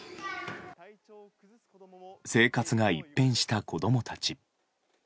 生活が一変した子供たち。